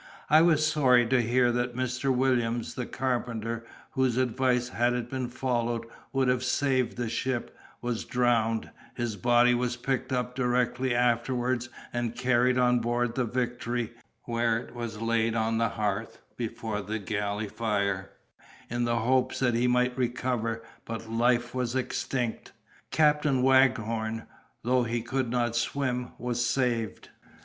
I was sorry to hear that Mr. Williams, the carpenter, whose advice, had it been followed, would have saved the ship, was drowned; his body was picked up directly afterwards, and carried on board the Victory, where it was laid on the hearth before the galley fire, in the hopes that he might recover, but life was extinct. Captain Waghorn, though he could not swim, was saved.